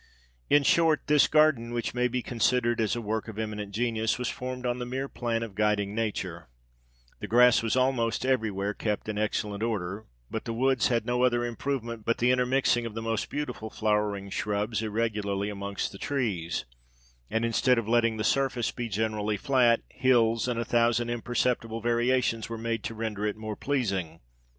97 In short, this garden, which may be considered as a work of eminent genius, was formed on the mere plan of guiding nature : the grass was almost every where kept in excellent order ; but the woods had no other improvement but the intermixing of the most beautiful flowering shrubs irregularly among the trees ; and instead of letting the surface be generally flat, hills i and a thousand imperceptible variations were made | to render it more pleasing.